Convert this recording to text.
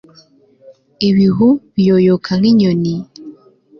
ibihu biyoyoka nk'inyoni